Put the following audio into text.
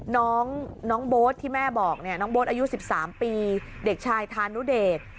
น้องโบ๊ทที่แม่บอกเนี่ยน้องโบ๊ทอายุ๑๓ปีเด็กชายธานุเดช